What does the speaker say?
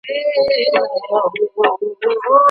اسلام د انسانانو خرڅول او رانيول بندوي.